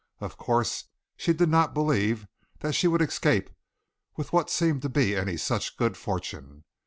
Of course, she did not believe that she would escape with what seemed to be any such good fortune.